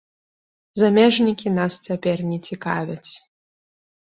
Замежнікі нас цяпер не цікавяць.